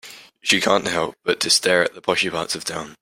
She can't help but to stare at the posher parts of town.